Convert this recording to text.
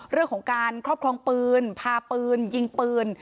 เรื่องของการครอบครองปืนพาปืนยิงปืน